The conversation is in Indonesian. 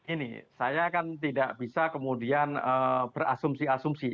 ini saya kan tidak bisa kemudian berasumsi asumsi